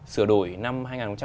sửa đổi năm hai nghìn hai mươi bốn